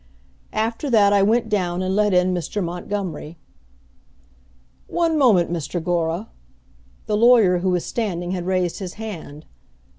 "After that I went down and let in Mr. Montgomery." "One moment, Mr. Gora." The lawyer who was standing had raised his hand.